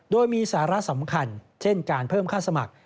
โดยมีสาระสำคัญเช่นการเพิ่มค่าสมัคร